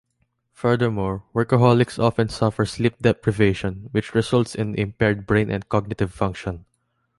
Furthermore, workaholics often suffer sleep deprivation, which results in impaired brain and cognitive function.